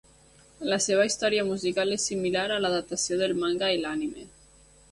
La seva història musical és similar a l'adaptació del manga i l'anime.